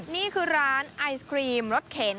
นี่คือร้านไอศครีมรถเข็น